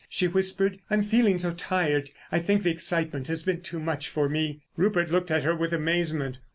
she whispered. "I'm feeling so tired. I think the excitement has been too much for me." Rupert looked at her with amazement.